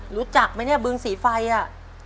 รู้จักไหมเนี่ยบึงสีไฟอ่ะ